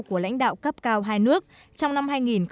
của lãnh đạo cấp cao hai nước trong năm hai nghìn một mươi bảy